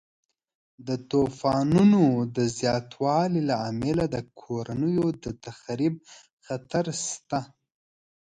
د طوفانونو د زیاتوالي له امله د کورنیو د تخریب خطر شته.